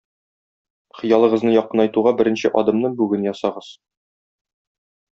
Хыялыгызны якынайтуга беренче адымны бүген ясагыз!